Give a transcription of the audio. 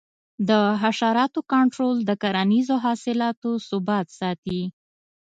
د حشراتو کنټرول د کرنیزو حاصلاتو ثبات ساتي.